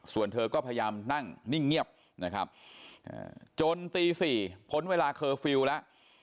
ส่วนเธอก็พยายามนั่งนิ่งเงียบนะครับจนตี๔พ้นเวลาเคอร์ฟิลล์แล้ว